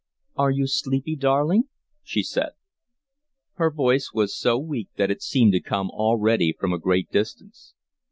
"Are you sleepy, darling?" she said. Her voice was so weak that it seemed to come already from a great distance.